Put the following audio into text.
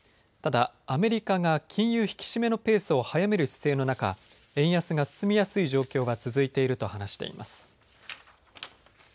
ただアメリカが金融引き締めのペースを速める姿勢の中、円安が進みやすい状況が続いていると話しています。